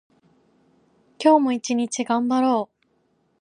今日も一日頑張ろう。